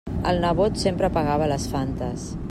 El nebot sempre pagava les Fantes.